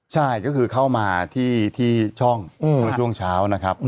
ใช่ก็คือเข้ามาที่ช่องเมื่อช่วงเช้านะครับ